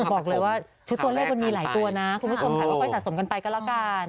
บอกเลยว่าชุดตัวเลขมันมีหลายตัวนะคุณผู้ชมค่ะก็ค่อยสะสมกันไปก็แล้วกัน